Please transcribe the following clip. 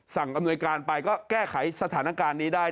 อำนวยการไปก็แก้ไขสถานการณ์นี้ได้